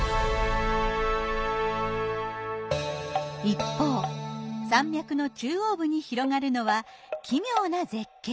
一方山脈の中央部に広がるのは奇妙な絶景。